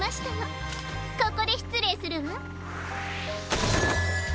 ここでしつれいするわ。